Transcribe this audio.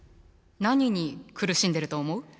何に苦しんでると思う？